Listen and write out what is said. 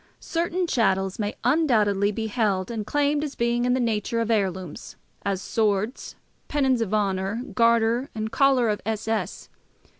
Certain chattels may undoubtedly be held and claimed as being in the nature of heirlooms, as swords, pennons of honour, garter and collar of S. S.